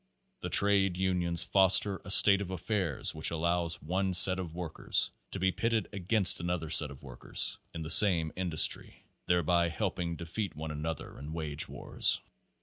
The trade unions foster a state of affairs which allows one set of work ers to be pitted against another set of workers in the same industry, thereby helping defeat one another in wage wars.